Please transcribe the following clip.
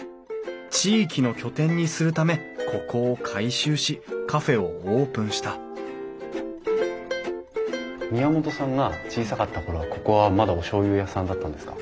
地域の拠点にするためここを改修しカフェをオープンした宮本さんが小さかった頃はここはまだおしょうゆ屋さんだったんですか？